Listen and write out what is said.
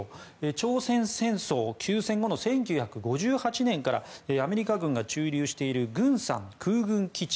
朝鮮戦争休戦後の１９５８年から韓国にアメリカ軍が駐留しているグンサン空軍基地。